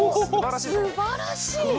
すばらしいぞ。